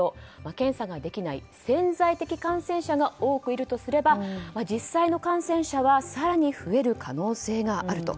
検査ができない潜在的感染者が多くいるとすれば実際の感染者は更に増える可能性があると。